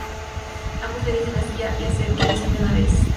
Amos le dice a Zia y a Sadie que visiten a Bes.